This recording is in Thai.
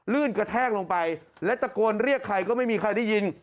กระแทกลงไปและตะโกนเรียกใครก็ไม่มีใครได้ยิน